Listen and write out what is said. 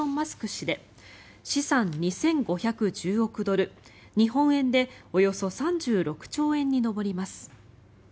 氏で資産２５１０億ドル日本円でおよそ３６兆円に上ります。